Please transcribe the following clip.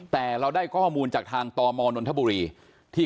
แต่เราได้ก้อมูลจากทางตมโทษบุหรี่